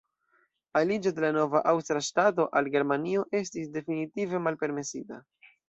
Aliĝo de la nova aŭstra ŝtato al Germanio estis definitive malpermesita.